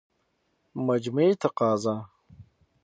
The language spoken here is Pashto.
مجموعي تقاضا